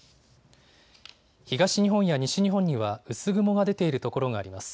東日本や西日本には薄雲が出ている所があります。